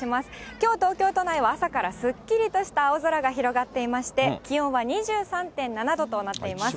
きょう、東京都内は朝からすっきりとした青空が広がっていまして、気温は２３．７度となっています。